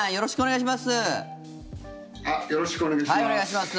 よろしくお願いします。